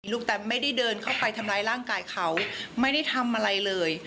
แตมไม่ได้เดินเข้าไปทำร้ายร่างกายเขาไม่ได้ทำอะไรเลย